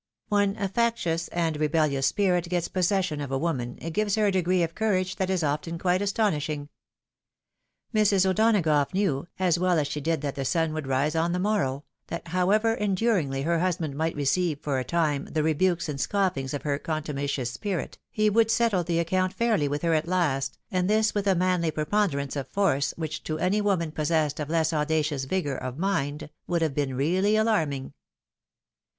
When a factious and rebellious spirit gets possession of a woman, it gives her a degree of coiirage that is often quite astonishing. Mrs. O'Donagough knew, as well as she did that the sun would rise on the morrow, that however enduringly her husband might receive for a time, the rebukes and scoiRngs of her contumacious spirit, he would settle the account fairly with her at last, and this with a manly preponderance of force, which to any woman possessed of less audacious vigour of mind, would have been really alarming.